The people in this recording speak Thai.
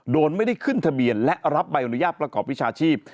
โดยไม่ได้ขึ้นทะเบียนและรับใบอนุญาตประกอบวิชาชีพ